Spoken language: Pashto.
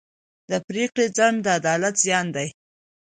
د پرېکړې ځنډ د عدالت زیان دی.